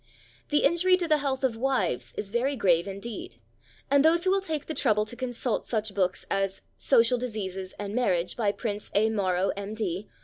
The injury to the health of wives is very grave indeed, and those who will take the trouble to consult such books as Social Diseases and Marriage, by Prince A. Morrow, M.D.